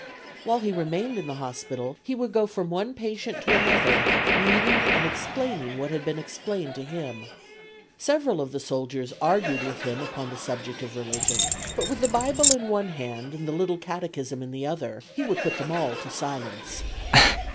While he remained in the hospital he would go from one patient to another reading and explaining what had been explained to him. Several of the soldiers argued with him upon the subject of religion, but with the Bible in one hand and the little catechism in the other he would put them all to silence.